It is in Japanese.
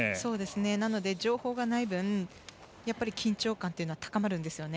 なので、情報がない分やっぱり緊張感というのは高まるんですよね。